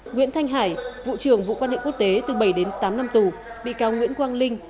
nguyễn thanh hải vụ trưởng vụ quan hệ quốc tế từ bảy đến tám năm tù bị cáo nguyễn quang linh